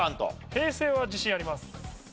平成は自信あります。